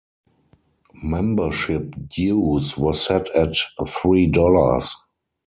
Membership dues were set at three dollars.